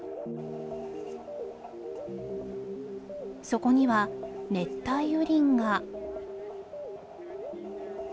そこには熱帯雨林が